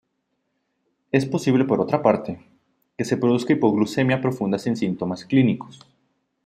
Es posible por otra parte, que se produzca hipoglucemia profunda sin síntomas clínicos.